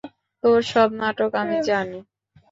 তোর সব নাটক আমি জানি।